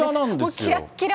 もうきらっきら。